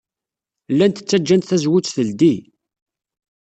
Llant ttajjant tazewwut teldey.